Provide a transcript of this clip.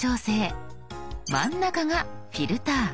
真ん中が「フィルター」。